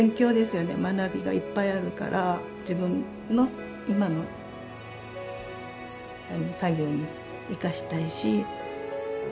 学びがいっぱいあるから自分の今の作業に生かしたいし。